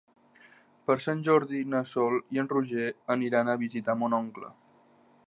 Per Sant Jordi na Sol i en Roger aniran a visitar mon oncle.